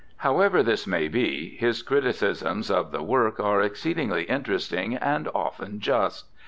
However this may be, his criticisms of the work are exceedingly interesting and often just.